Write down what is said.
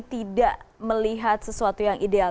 tidak melihat sesuatu yang ideal